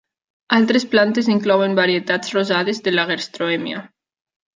Altres plantes inclouen varietats rosades de Lagerstroemia.